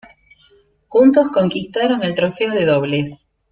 Juntos conquistaron el trofeo de dobles.